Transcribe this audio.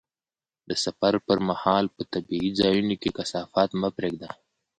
د سفر پر مهال په طبیعي ځایونو کې کثافات مه پرېږده.